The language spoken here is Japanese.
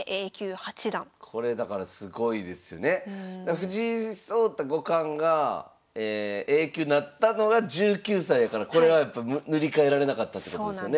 藤井聡太五冠がＡ級になったのが１９歳やからこれはやっぱ塗り替えられなかったということですよね。